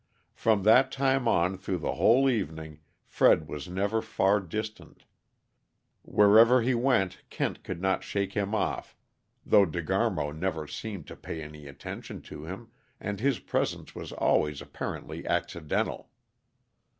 From that time on through the whole evening Fred was never far distant; wherever he went, Kent could not shake him off though De Garmo never seemed to pay any attention to him, and his presence was always apparently accidental.